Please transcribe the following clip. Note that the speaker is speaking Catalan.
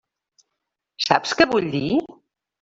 Saps què vull dir?